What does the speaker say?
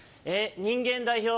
人間代表